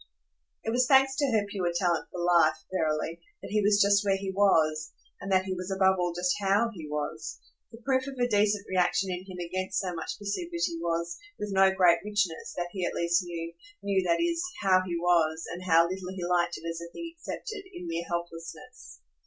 It was thanks to her pure talent for life, verily, that he was just where he was and that he was above all just HOW he was. The proof of a decent reaction in him against so much passivity was, with no great richness, that he at least knew knew, that is, how he was, and how little he liked it as a thing accepted in mere helplessness.